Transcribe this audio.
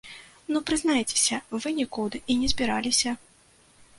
Ну прызнайцеся, вы нікуды і не збіраліся.